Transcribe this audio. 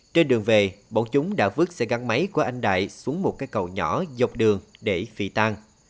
trên đường về bọn chúng đã vứt xe găng máy của anh đại xuống một cái cầu nhỏ dọc đường để phì tan